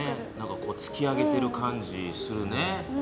なんかこうつき上げてる感じするね。